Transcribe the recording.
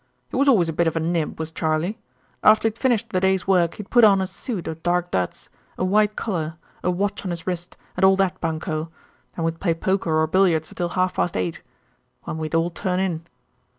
"He was always a bit of a nib, was Charley. After he'd finished the day's work he'd put on a suit o' dark duds, a white collar, a watch on his wrist, an' all that bunko. Then we'd play poker or billiards till half past eight, when we'd all turn in."